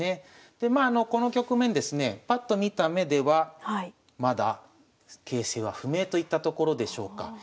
でまあこの局面ですねパッと見た目ではまだ形勢は不明といったところでしょうか。